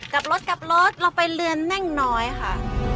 กลับรถเราไปเรือนแน่งน้อยค่ะ